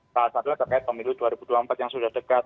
salah satunya terkait pemilu dua ribu dua puluh empat yang sudah dekat